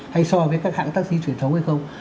hay so với các hãng xác sinh truyền thống hay không